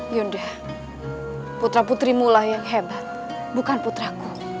yunda putra putrimu lah yang hebat bukan putraku